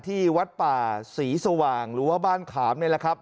ที่วัดป่าศรีสว่างหรือว่าบ้านขามนี่แหละครับ